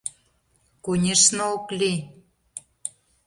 Конешне, ок лий.